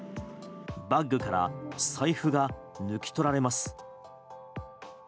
バッグから財布が抜き取られます。